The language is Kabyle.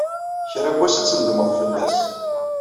Kra n wass, ad tnedmed fell-as.